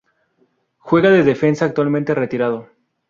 Juega de defensa Actualmente retirado.